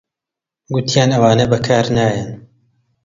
گوتیان ئەوانە بەکار نایەن